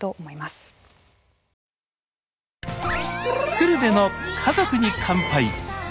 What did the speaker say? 「鶴瓶の家族に乾杯」。